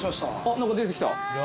何か出てきた。